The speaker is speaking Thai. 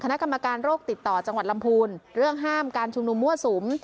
คณะกรรมการโรคติดต่อจังหวัดลำพูนเรื่องห้ามการชุมนุมมั่วสุม